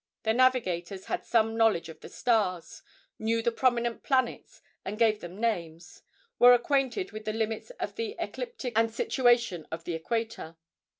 Their navigators had some knowledge of the stars; knew the prominent planets and gave them names; were acquainted with the limits of the ecliptic and situation of the equator.